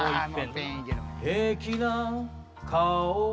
平気な顔